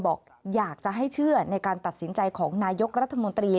บอกอยากจะให้เชื่อในการตัดสินใจของนายกรัฐมนตรี